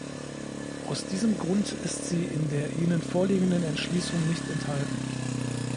Aus diesem Grunde ist sie in der Ihnen vorliegenden Entschließung nicht enthalten.